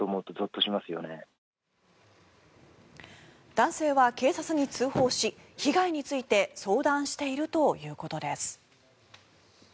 男性は警察に通報し被害について相談しているということです。